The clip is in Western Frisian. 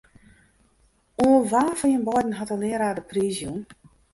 Oan wa fan jim beiden hat de learaar de priis jûn?